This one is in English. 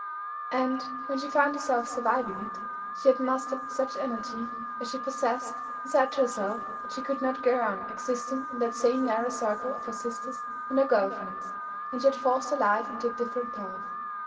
And, when she found herself surviving it, she had mustered such energy as she possessed and said to herself that she could not go on existing in that same narrow circle of her sisters and her girl friends; and she had forced her life into a different path.